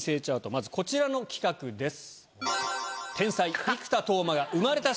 まずこちらの企画です。